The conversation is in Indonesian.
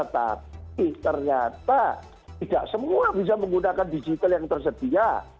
tapi ternyata tidak semua bisa menggunakan digital yang tersedia